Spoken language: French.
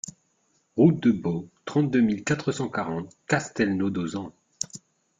Route de Bouau, trente-deux mille quatre cent quarante Castelnau-d'Auzan